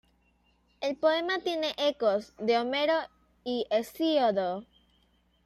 El poema tiene ecos de Homero y Hesíodo.